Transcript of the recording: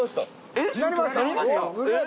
えっ？